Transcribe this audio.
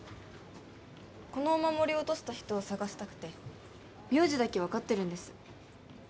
このお守りを落とした人を探したくて名字だけ分かってるんです